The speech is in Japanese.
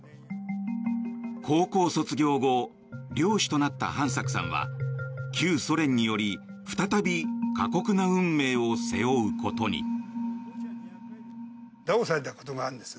高校卒業後漁師となった飯作さんは旧ソ連により再び過酷な運命を背負うことに。